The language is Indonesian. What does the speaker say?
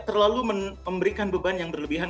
terlalu memberikan beban yang berlebihan